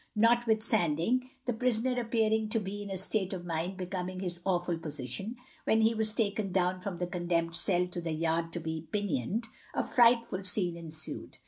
Notwithstanding, the prisoner appearing to be in a state of mind becoming his awful position, when he was taken down from the condemned cell to the yard to be pinioned, a frightful scene ensued.